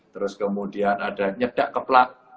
terus kemudian ada nyedak keplak